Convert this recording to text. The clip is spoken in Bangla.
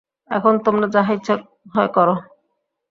এখন তোমার যাহা ইচ্ছা হয় করো।